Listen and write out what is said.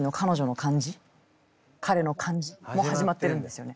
彼の感じもう始まってるんですよね。